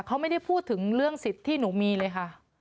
เขาไม่ได้พูดถึงเรื่องสิทธิ์ที่หนูมีเลยค่ะ